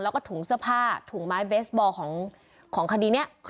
แล้วก็ถุงเสื้อผ้าถุงไม้เบสบอลของคดีนี้